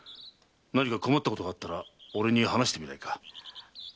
何か困ったことがあったら俺に話してみないか？